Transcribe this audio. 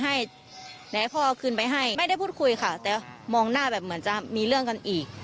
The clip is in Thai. ไหนให้พ่อเอาคืนไปให้ไม่ได้พูดคุยค่ะแต่มองหน้าแบบเหมือนจะมีเรื่องกันอีก